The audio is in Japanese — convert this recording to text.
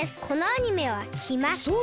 このアニメはきます。